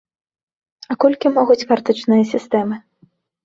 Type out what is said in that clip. А колькі могуць картачныя сістэмы?